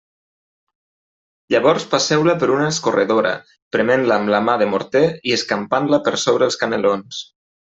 Llavors passeu-la per una escorredora, prement-la amb la mà de morter i escampant-la per sobre els canelons.